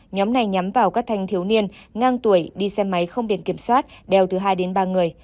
nhóm này nhắm vào các thanh thiếu niên ngang tuổi đi xe máy không biển kiểm soát đeo từ hai đến ba người